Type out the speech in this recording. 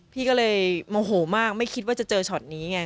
พี่ก็เลยโมโหมากไม่คิดว่าจะเจอช็อตนี้ไง